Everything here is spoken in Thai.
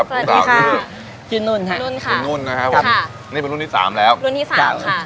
พี่นุ่นค่ะนุ่นค่ะนุ่นนะครับครับนี่เป็นรุ่นที่สามแล้วรุ่นที่สามค่ะ